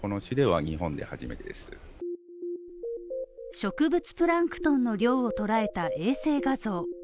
植物プランクトンの量をとらえた衛星画像。